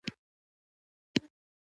ورزش د وجود ځواک زیاتوي.